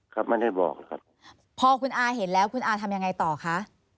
ครับไม่ได้บอกครับพอคุณอาเห็นแล้วคุณอาทำยังไงต่อคะ